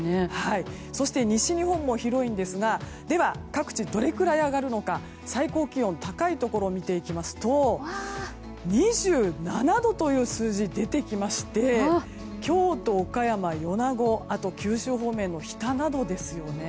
そして、西日本も広いんですがでは、各地どのくらい上がるのか最高気温、高いところを見ていきますと２７度という数字が出てきまして京都、岡山、米子九州方面の日田などですよね。